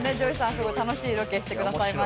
すごい楽しいロケしてくださいました。